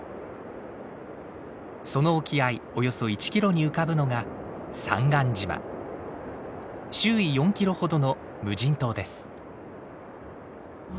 その沖合およそ１キロに浮かぶのが周囲４キロほどの無人島です。